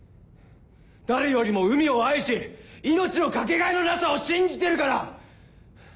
誰よりも海を愛し命のかけがえのなさを信じてるから！